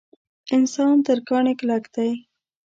انسان تر کاڼي کلک دی.